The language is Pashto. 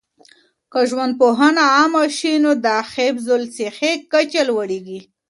که ژوندپوهنه عامه شي، د حفظ الصحې کچه لوړيږي.